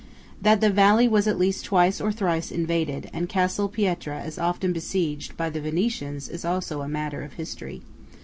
That the valley was at least twice or thrice invaded, and Castel Pietra as often besieged, by the Venetians is also matter of history.